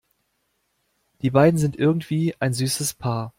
Die beiden sind irgendwie ein süßes Paar.